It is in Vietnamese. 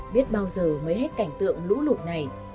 biết bao giờ mới hết cảnh tượng lũ lụt này